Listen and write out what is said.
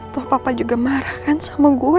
tuh papa juga marah kan sama gue